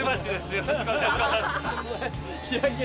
よろしくお願いします。